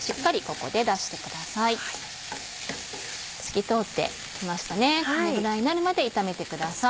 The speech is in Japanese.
このぐらいになるまで炒めてください。